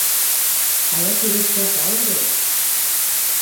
Ҡая тигәс тә, тау инде ул